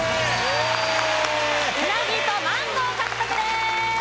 うなぎとマンゴー獲得です！